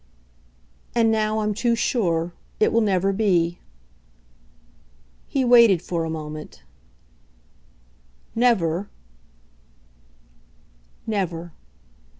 "And now I'm too sure. It will never be." He waited for a moment. "Never?" "Never."